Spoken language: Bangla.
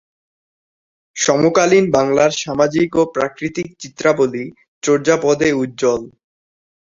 সমকালীন বাংলার সামাজিক ও প্রাকৃতিক চিত্রাবলি চর্যাপদে উজ্জ্বল।